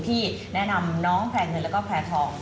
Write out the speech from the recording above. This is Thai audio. ที่แนะนำน้องแพลงนึงและแพลทอง